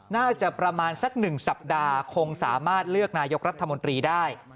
น่าจะประมาณสัก๑สัปดาห์คงสามารถเลือกนายกรัฐมนตรีได้